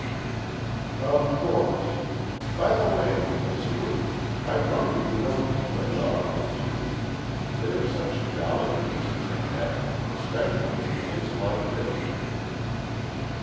"Of course. By the way, Uncle Seward, I wonder you don't keep a dog or two. They are such jolly beasts to have especially in a place like this."